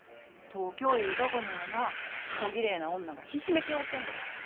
東京いうとこにはなこぎれいな女がひしめき合うてんねん。